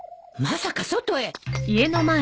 まさか外へ